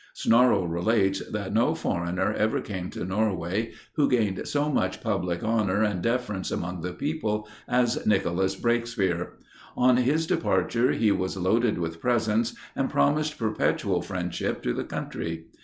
Snorrow relates, that no foreigner ever came to Norway, who gained so much public honor and deference among the people as Nicholas Breakspere. On his departure he was loaded with presents, and promised perpetual friendship to the country.